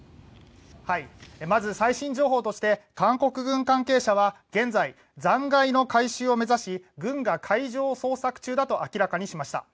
まず最新情報として韓国軍関係者は現在、残骸の回収を目指し軍が海上を捜索中だと明らかにしました。